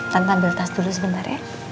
tante ambil tas dulu sebentar ya